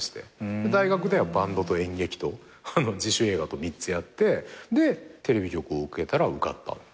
大学ではバンドと演劇と自主映画と３つやってでテレビ局を受けたら受かったっていう。